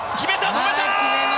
止めた！